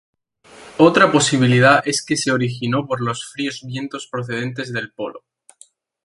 Otra posibilidad es que se originó por los fríos vientos procedentes del polo.